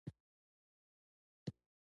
جواهرات د افغانستان د ځایي اقتصادونو بنسټ دی.